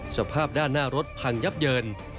สภาพด้านหน้ารถพังยับเยิน